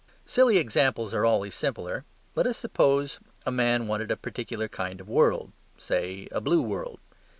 Silly examples are always simpler; let us suppose a man wanted a particular kind of world; say, a blue world.